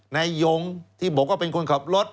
ยงที่บอกว่าเป็นคนขับรถ